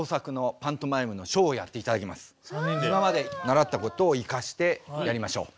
今まで習ったことを生かしてやりましょう！